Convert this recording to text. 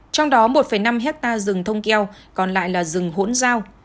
trong đó một năm hectare rừng thông keo còn lại là rừng hỗn giao